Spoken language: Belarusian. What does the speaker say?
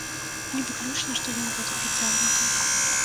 Не выключана, што ён будзе працягнуты.